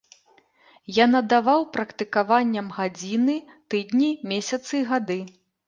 Я надаваў практыкаванням гадзіны, тыдні, месяцы і гады.